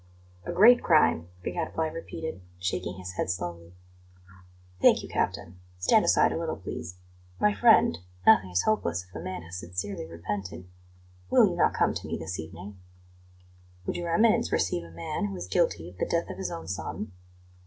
"A great crime," the Gadfly repeated, shaking his head slowly. "Thank you, captain; stand aside a little, please. My friend, nothing is hopeless if a man has sincerely repented. Will you not come to me this evening?" "Would Your Eminence receive a man who is guilty of the death of his own son?"